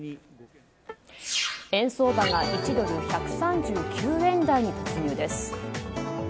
円相場が１ドル＝１３９円台に突入です。